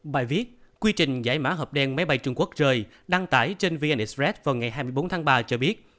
bài viết quy trình giải mã hợp đen máy bay trung quốc trời đăng tải trên vn express vào ngày hai mươi bốn tháng ba cho biết